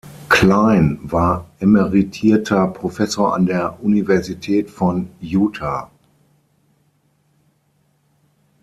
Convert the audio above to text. Cline war emeritierter Professor an der Universität von Utah.